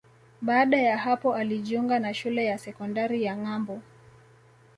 Baada ya hapo alijiunga na Shule ya Sekondari ya Ngambo